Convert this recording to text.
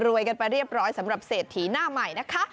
กันไปเรียบร้อยสำหรับเศรษฐีหน้าใหม่นะคะ